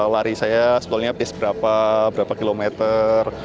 lari saya sebetulnya piece berapa berapa kilometer